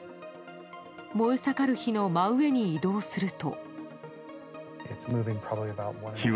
燃え盛る火の真上に移動すると。